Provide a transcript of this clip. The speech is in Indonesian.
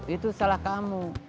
itu salah kamu